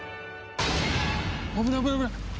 危ない危ない危ない！